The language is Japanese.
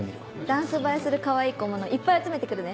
ダンス映えするかわいい小物いっぱい集めてくるね。